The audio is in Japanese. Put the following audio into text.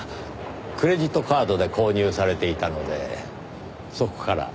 クレジットカードで購入されていたのでそこから。